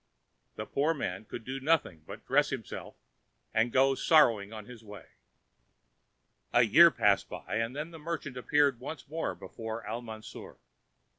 The poor man could do nothing but dress himself and go sorrowing on his way. A year passed by and then the merchant appeared once more before Al Mansour.